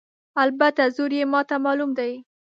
البته زور یې ماته معلوم دی.